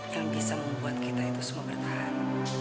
yang bisa membuat kita itu semua bertahan